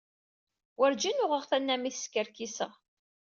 Werǧin uɣeɣ tanamit skerkiseɣ.